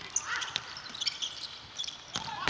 สวัสดีครับ